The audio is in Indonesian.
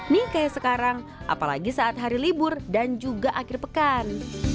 nih kayak sekarang apalagi saat hari libur dan juga akhir pekan